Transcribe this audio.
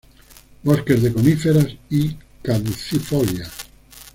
Bosques de coníferas y caducifolias.